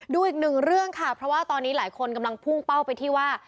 ดูอีกหนึ่งเรื่องค่ะเพราะว่าตอนนี้หลายคนกำลังพุ่งเป้าไปที่ว่า